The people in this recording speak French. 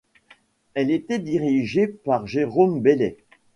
Elle était dirigée par Jérôme Bellay.